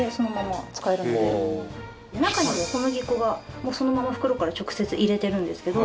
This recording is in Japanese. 中に小麦粉がもうそのまま袋から直接入れてるんですけど。